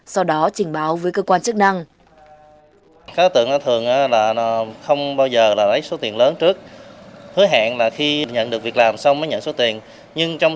sau đó trình báo với cơ quan chức năng